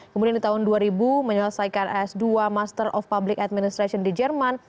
kemudian di tahun dua ribu menyelesaikan s dua master of public administration di jerman